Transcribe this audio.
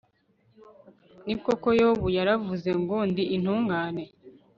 ni koko, yobu yaravuze ngo 'ndi intungane